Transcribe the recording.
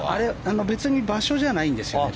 別に場所じゃないんですね。